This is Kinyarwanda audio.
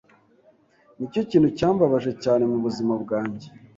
Nicyo kintu cyambabaje cyane mubuzima bwanjye.